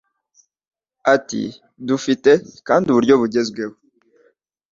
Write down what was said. Ati dufite kandi uburyo bugezweho